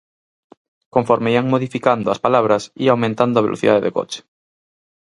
Conforme ían modificando as palabras ía aumentando a velocidade do coche.